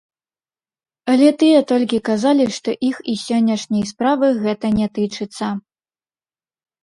Але тыя толькі казалі, што іх і сённяшняй справы гэта не тычыцца.